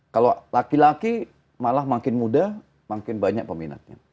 kalau laki laki malah makin muda makin banyak peminatnya